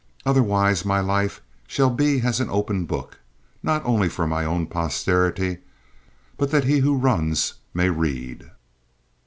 Otherwise my life shall be as an open book, not only for my own posterity, but that he who runs may read.